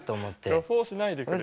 予想しないでくれよ